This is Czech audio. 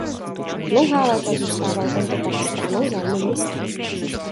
Dlouhá léta zůstával tento park stranou zájmu města.